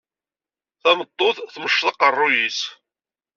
Tameṭṭut tmecceḍ aqerruy-is.